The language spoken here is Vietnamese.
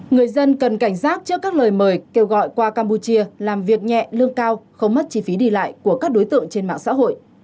người dân cần cảnh giác trước các lời mời kêu gọi qua campuchia làm việc nhẹ lương cao không mất chi phí đi lại của các đối tượng trên mạng xã hội